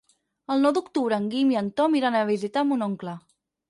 El nou d'octubre en Guim i en Tom iran a visitar mon oncle.